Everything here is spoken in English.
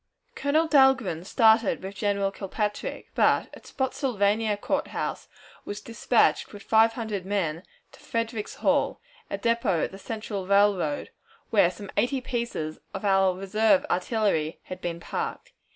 Colonel Dahlgren started with General Kilpatrick, but at Spottsylvania Court House was dispatched with five hundred men to Frederickhall, a depot of the Central Railroad, where some eighty pieces of our reserve artillery had been parked.